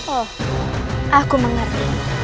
oh aku mengerti